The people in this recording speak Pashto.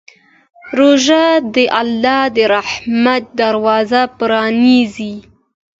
روژه د الله د رحمت دروازه پرانیزي.